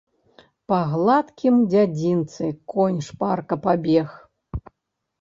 Па гладкім дзядзінцы конь шпарка пабег.